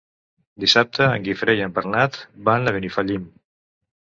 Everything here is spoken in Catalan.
Dissabte en Guifré i en Bernat van a Benifallim.